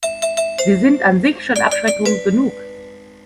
Sie sind an sich schon Abschreckung genug.